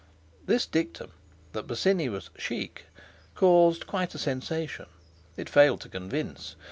This dictum—that Bosinney was chic—caused quite a sensation. It failed to convince.